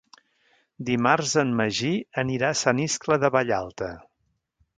Dimarts en Magí anirà a Sant Iscle de Vallalta.